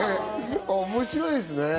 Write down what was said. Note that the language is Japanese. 面白いですね。